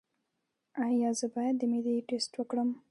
ایا زه باید د معدې ټسټ وکړم؟